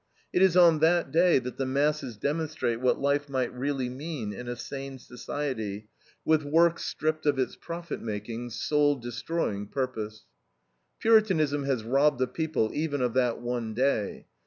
It is on that day that the masses demonstrate what life might really mean in a sane society, with work stripped of its profit making, soul destroying purpose. Puritanism has robbed the people even of that one day.